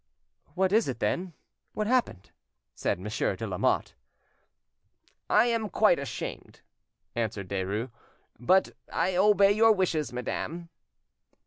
"What is it, then? What happened?" said Monsieur de Lamotte. "I am quite ashamed," answered Derues; "but I obey your wishes, madame."